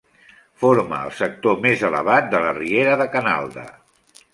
Forma el sector més elevat de la riera de Canalda.